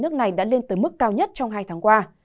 nước này đã lên tới mức cao nhất trong hai tháng qua